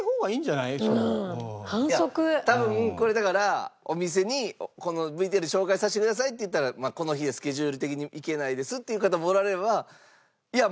いや多分これだからお店にこのＶＴＲ紹介させてくださいって言ったらこの日はスケジュール的に行けないですっていう方もおられればいや